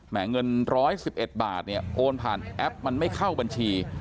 แหมงเงินร้อยสิบเอ็ดบาทเนี่ยโอนผ่านแอปมันไม่เข้าบัญชี